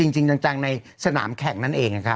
จริงจังในสนามแข่งนั่นเองนะครับ